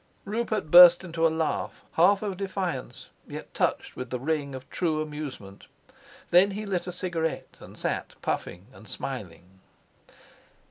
Rupert burst into a laugh, half of defiance, yet touched with the ring of true amusement. Then he lit a cigarette and sat puffing and smiling.